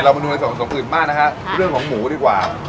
เรามาดูในส่วนส่วนอื่นมากนะคะเรื่องของหมูดีกว่า